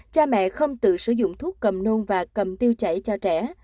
cha mẹ không tự sử dụng thuốc cầm nôn và cầm tiêu chảy cho trẻ